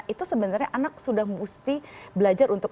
itu sebenarnya anak sudah mesti belajar untuk